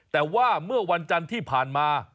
แต่ว่าเมื่อวันจันทร์ที่ผ่านมา